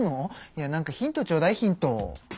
なんかヒントちょうだいヒント。